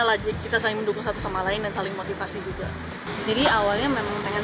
lagi kita saling mendukung satu sama lain dan saling motivasi juga jadi awalnya memang pengen